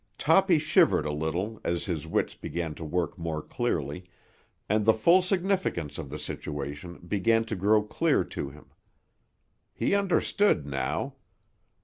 Toppy shivered a little as his wits began to work more clearly, and the full significance of the situation began to grow clear to him. He understood now.